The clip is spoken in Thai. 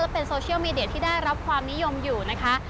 เป็นโซเชียลมีเดียที่ได้รับความนิยมอยู่นะคะ